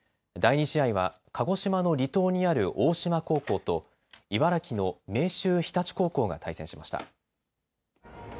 第２試合は鹿児島の離島にある大島高校と茨城の明秀日立高校が対戦しました。